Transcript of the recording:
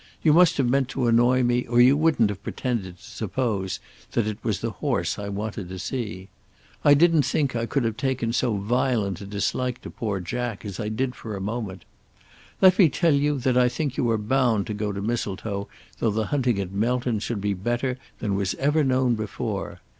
You must have meant to annoy me or you wouldn't have pretended to suppose that it was the horse I wanted to see. I didn't think I could have taken so violent a dislike to poor Jack as I did for a moment. Let me tell you that I think you are bound to go to Mistletoe though the hunting at Melton should be better than was ever known before.